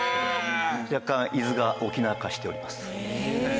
若干伊豆が沖縄化しております。